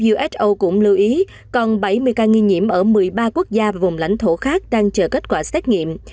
uso cũng lưu ý còn bảy mươi ca nghi nhiễm ở một mươi ba quốc gia vùng lãnh thổ khác đang chờ kết quả xét nghiệm